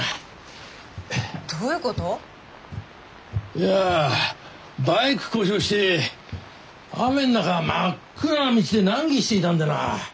いやバイク故障して雨ん中真っ暗な道で難儀していたんでな